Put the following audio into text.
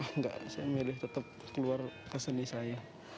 enggak saya milih tetap keluar ke seni saya